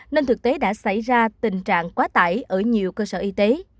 nên thực tế đã xảy ra tình trạng quá tải ở nhiều cơ sở y tế